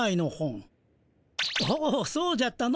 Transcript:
おおそうじゃったの。